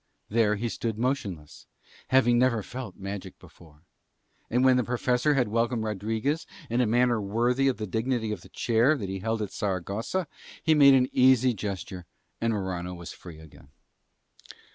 There he stood motionless, having never felt magic before. And when the Professor had welcomed Rodriguez in a manner worthy of the dignity of the Chair that he held at Saragossa, he made an easy gesture and Morano was free again.